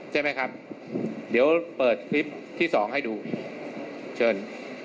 ใช่ไหมครับเดี๋ยวเปิดคลิปที่สองให้ดูเชิญ